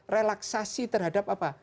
relaksasi terhadap apa